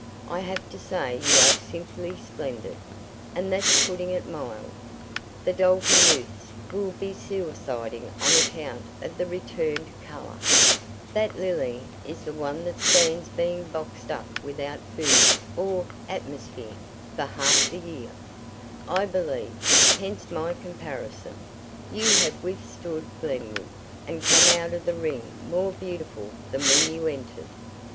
I have to say you are simply splendid, and that's putting it mild. The Dalton youths will be suiciding on account of the returned Calla that lily is the one that stands beings boxed up without food or atmosphere for half the year, I believe, hence my comparison: you have withstood Glenwood, and come out of the ring more beautiful than when you entered.